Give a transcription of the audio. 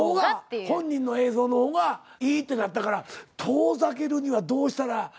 本人の映像の方がいいってなったから遠ざけるにはどうしたらええのか難しい。